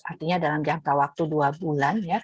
artinya dalam jangka waktu dua bulan ya